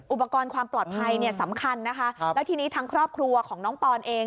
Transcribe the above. อุปกรณ์ความปลอดภัยเนี่ยสำคัญนะคะแล้วทีนี้ทางครอบครัวของน้องปอนเอง